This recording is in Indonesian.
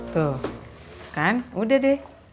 tuh kan udah deh